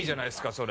それ。